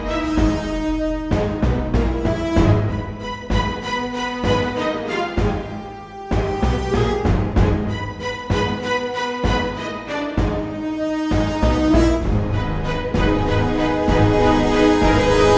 aku tahu yang kedua